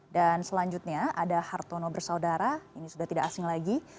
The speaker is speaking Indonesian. dan selanjutnya ada hartono bersaudara ini sudah tidak asing lagi